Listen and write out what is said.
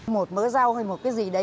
một mỡ rau hay một cái gì đấy